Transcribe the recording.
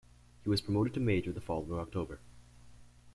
He was promoted to major the following October.